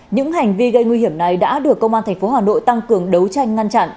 những hành vi gây nguy hiểm này đã được công an tp hà nội tăng cường đấu tranh ngăn chặn